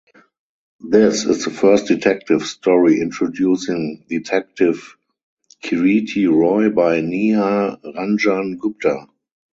This is the first detective story introducing detective Kiriti Roy by Nihar Ranjan Gupta.